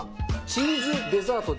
チーズデザート？